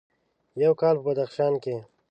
یو کال په بدخشان کې: